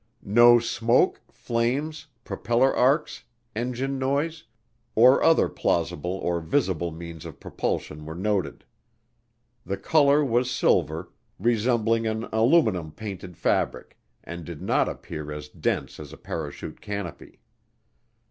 No smoke, flames, propeller arcs, engine noise, or other plausible or visible means of propulsion were noted. The color was silver, resembling an aluminum painted fabric, and did not appear as dense as a parachute canopy.